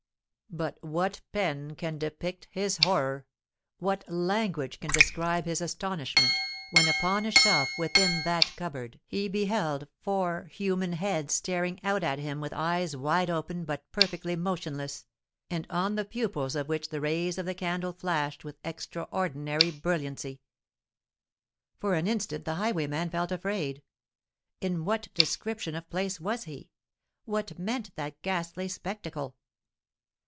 But what pen can depict his horror—what language can describe his astonishment, when upon a shelf within that cupboard he beheld four human heads staring out at him with eyes wide open but perfectly motionless, and on the pupils of which the rays of the candle flashed with extraordinary brilliancy! For an instant the highwayman felt afraid:—in what description of place was he? what meant that ghastly spectacle?